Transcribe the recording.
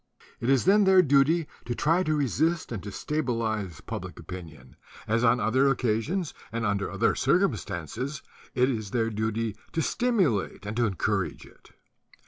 It is then their duty to try to resist and to stabilize public opinion, as on other occasions and under other circumstances it is their duty to stimulate and to encourage it.